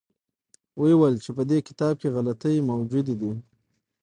ویې ویل چې په دې کتاب کې غلطۍ موجودې دي.